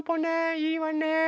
いいわね。